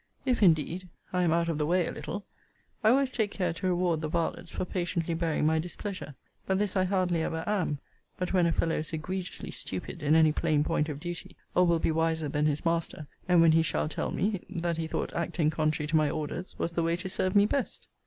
If, indeed, I am out of the way a little, I always take care to reward the varlets for patiently bearing my displeasure. But this I hardly ever am but when a fellow is egregiously stupid in any plain point of duty, or will be wiser than his master; and when he shall tell me, that he thought acting contrary to my orders was the way to serve me best.